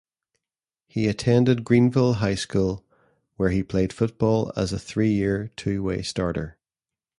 He attended Greenville High School, where he played football as a three-year two-way starter.